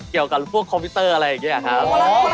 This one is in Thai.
เกี่ยวกับพวกคอมพิวเตอร์อะไรอย่างนี้ครับ